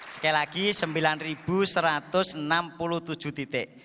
sekali lagi sembilan satu ratus enam puluh tujuh titik